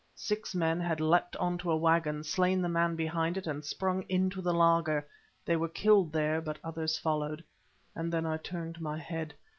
six men had leapt on to a waggon, slain the man behind it, and sprung into the laager. They were killed there, but others followed, and then I turned my head.